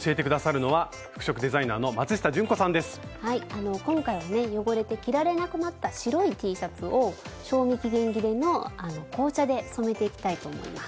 あの今回はね汚れて着られなくなった白いＴシャツを賞味期限切れの紅茶で染めていきたいと思います。